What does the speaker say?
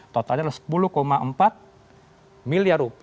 totalnya adalah rp sepuluh empat miliar